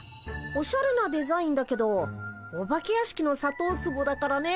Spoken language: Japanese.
おしゃれなデザインだけどお化け屋敷のさとうツボだからね。